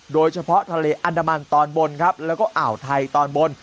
โดยเฉพาะทะเลอันดามันตอนบนครับแล้วก็อ่าวไทยตอนบน